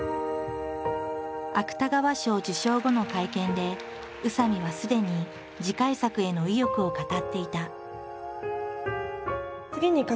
芥川賞受賞後の会見で宇佐見はすでに次回作への意欲を語っていた。